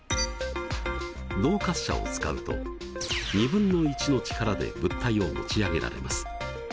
動滑車を使うと２分の１の力で物体を持ち上げられます。